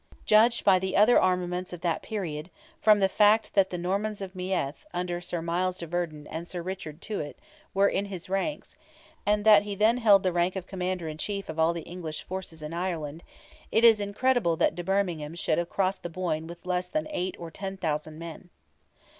Judged by the other armaments of that period, from the fact that the Normans of Meath, under Sir Miles de Verdon and Sir Richard Tuit, were in his ranks, and that he then held the rank of Commander in Chief of all the English forces in Ireland, it is incredible that de Bermingham should have crossed the Boyne with less than eight or ten thousand men.